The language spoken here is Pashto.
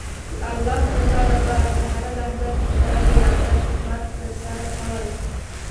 د الله رضا لپاره په هره لحظه کې خپله بې غرضه خدمت ترسره کول.